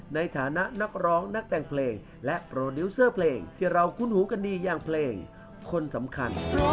ในฐานะนักร้องนักแต่งเพลงและโปรดิวเซอร์เพลงที่เราคุ้นหูกันดีอย่างเพลงคนสำคัญ